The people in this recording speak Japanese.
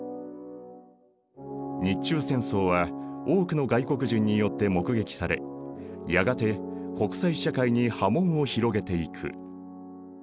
日中戦争は多くの外国人によって目撃されやがて国際社会に波紋を広げていく。